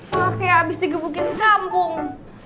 pake abis digebukin gampung